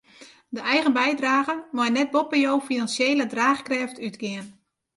De eigen bydrage mei net boppe jo finansjele draachkrêft útgean.